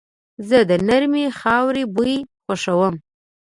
زه د نرمې خاورې بوی خوښوم.